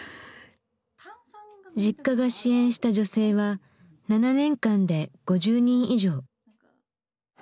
Ｊｉｋｋａが支援した女性は７年間で５０人以上。